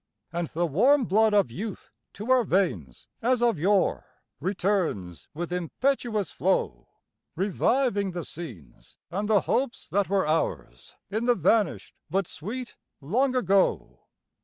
And the warm blood of youth to our veins, as of yore, Returns with impetuous flow, Reviving the scenes and the hopes that were ours In the vanished, but sweet Long Ago.